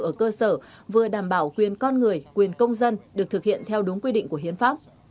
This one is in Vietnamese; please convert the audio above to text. ở cơ sở vừa đảm bảo quyền con người quyền công dân được thực hiện theo đúng quy định của hiến pháp